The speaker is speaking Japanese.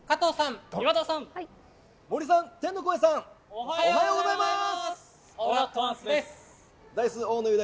おはようございます。